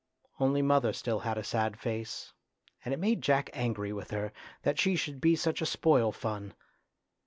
Only mother still had a sad face, and it made Jack angry with her, that she should be such a spoil fun.